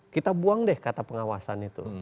kita buang deh kata pengawasan itu